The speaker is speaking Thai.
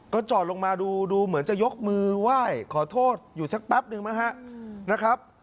ก็จอดลงมาดูดูเหมือนจะยกมือไหว่ขอโทษหยุดสักปั๊บหนึ่งนะครับ